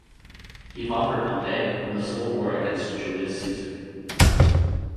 He fought for Pompey in the civil war against Julius Caesar.